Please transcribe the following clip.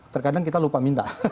terkadang kita lupa minta